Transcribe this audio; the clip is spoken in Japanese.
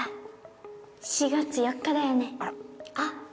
あっ！